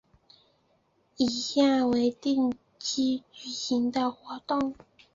以下为定期举行的活动